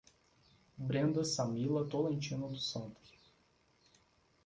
Brenda Samila Tolentino dos Santos